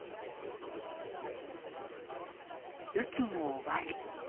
雨季の終わり。